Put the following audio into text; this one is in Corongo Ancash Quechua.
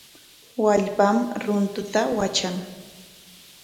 Wallpam runtuta watran.